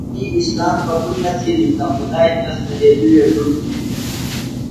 تی اسلام قبُل نہ تِھیلیۡ تہ خُدائی تس دریبیۡ وے ڈُپ تِھیلوۡ۔